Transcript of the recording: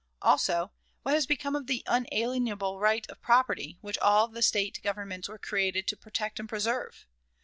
Also, what has become of the unalienable right of property, which all the State governments were created to protect and preserve?